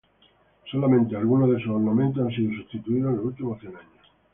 Solamente algunos de sus ornamentos han sido sustituidos en los últimos cien años.